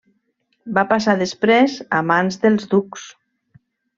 Va passar després a mans dels ducs.